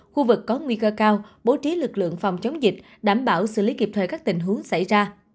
khu vực có nguy cơ cao bố trí lực lượng phòng chống dịch đảm bảo xử lý kịp thời các tình huống xảy ra